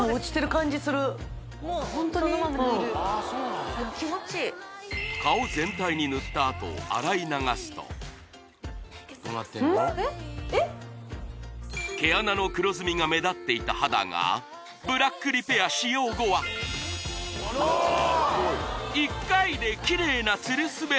感じする顔全体に塗ったあと毛穴の黒ずみが目立っていた肌がブラックリペア使用後は１回でキレイなツルすべ